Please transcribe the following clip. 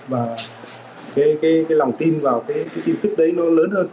và cái lòng tin vào cái tin tức đấy nó lớn hơn